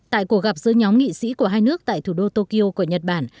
tại cuộc gặp giữa nhóm nghị sĩ của hai nước tại thủ đô tokyo của nhật bản